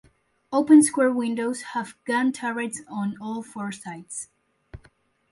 Open square windows have gun turrets on all four sides.